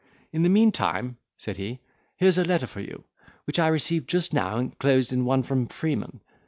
"In the meantime," said he, "here's a letter for you, which I received just now inclosed in one from Freeman."